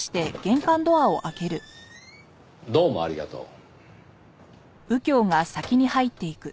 どうもありがとう。